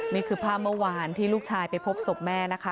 นี่คือภาพเมื่อวานที่ลูกชายไปพบศพแม่นะคะ